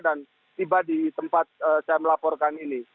dan tiba di tempat saya melaporkan ini